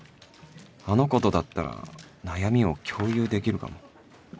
あの子とだったら悩みを共有できるかも